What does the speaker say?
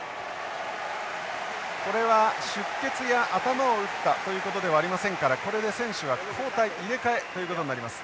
これは出血や頭を打ったということではありませんからこれで選手は交代入れ替えということになります。